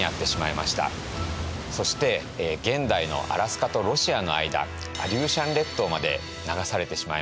そして現代のアラスカとロシアの間アリューシャン列島まで流されてしまいました。